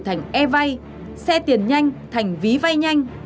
thành e vay xe tiền nhanh thành ví vay nhanh